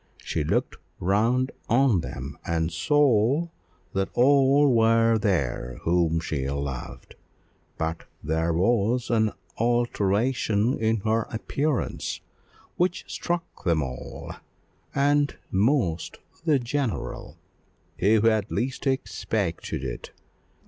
She looked round on them, and saw that all were there whom she loved; but there was an alteration in her appearance which struck them all, and most the general, who had least expected it.